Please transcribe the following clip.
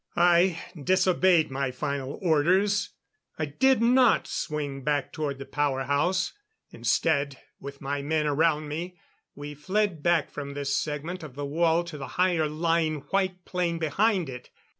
I disobeyed my final orders; I did not swing back toward the power house; instead, with my men around me, we fled back from this segment of the wall to the higher lying white plain behind it.